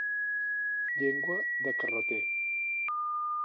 Llengua de carreter.